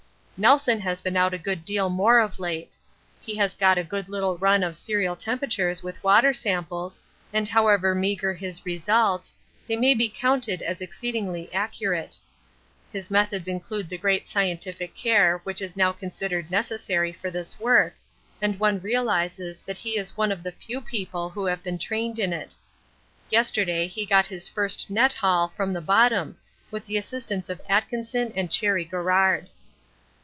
Nelson has been out a good deal more of late. He has got a good little run of serial temperatures with water samples, and however meagre his results, they may be counted as exceedingly accurate; his methods include the great scientific care which is now considered necessary for this work, and one realises that he is one of the few people who have been trained in it. Yesterday he got his first net haul from the bottom, with the assistance of Atkinson and Cherry Garrard.